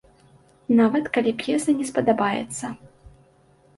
Нават калі п'еса не спадабаецца.